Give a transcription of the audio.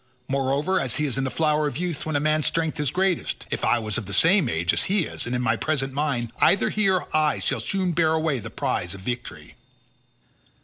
Moreover he is in the flower of youth when a man's strength is greatest; if I was of the same age as he is and in my present mind, either he or I should soon bear away the prize of victory."